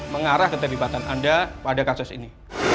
mengarah keterlibatan anda pada kasus ini